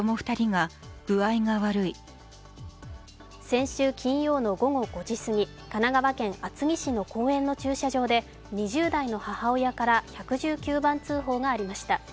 先週金曜の午後５時すぎ、神奈川県厚木市の公園の駐車場で２０代の母親から１１９番通報がありました。